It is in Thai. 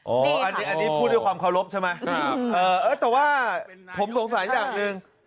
อันนี้พูดด้วยความเคารพใช่ไหมแต่ว่าผมสงสัยอย่างหนึ่ง